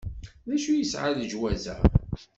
D acu yesɛa leǧwaz-a?